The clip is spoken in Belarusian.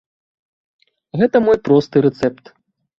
Гэта мой просты рэцэпт!